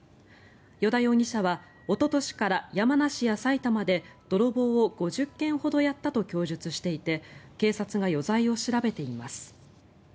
依田容疑者はおととしから山梨や埼玉で泥棒を５０件ほどやったと供述していて警察が余罪を調べています。